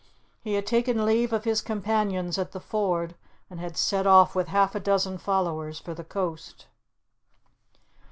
He had taken leave of his companions at the ford, and had set off with half a dozen followers for the coast.